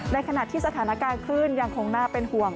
ในขณะที่สถานการณ์คลื่นยังคงน่าเป็นห่วง